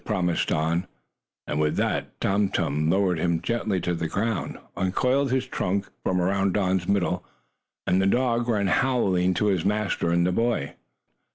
promised Don, and with that Tum Tum lowered him gently to the ground, uncoiled his trunk from around Don's middle, and the dog ran howling to his master and the boy.